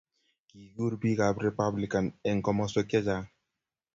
Kikirur bikap republikan eng komoswek chechang